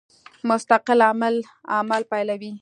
مستقل عامل عمل پیلوي.